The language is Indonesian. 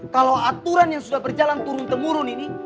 kalau aturan yang sudah berjalan turun temurun ini